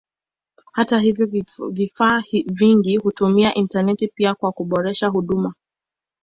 Hata hivyo vifaa vingi hutumia intaneti pia kwa kuboresha huduma.